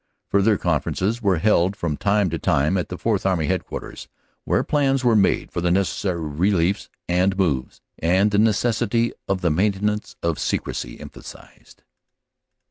Further conferences were held from time to time at the Fourth Army Headquarters, where plans were made for the necessary reliefs and moves, and the neces sity of the maintenance of secrecy emphasized.